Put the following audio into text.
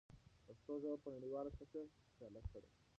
پښتو ژبه په نړیواله کچه سیاله کړئ.